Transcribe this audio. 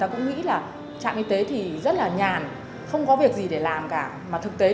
hãy đăng ký kênh để nhận thông tin nhất